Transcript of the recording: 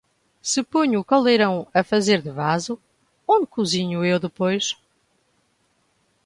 Se ponho o caldeirão a fazer de vaso, onde cozinho eu depois?